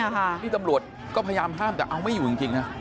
นี่ตำรวจก็พยายามห้ามแต่เอาไม่อยู่จริงนะ